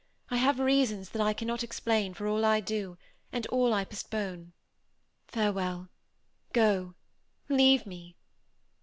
I have reasons that I cannot now explain, for all I do, and all I postpone. Farewell. Go! Leave me."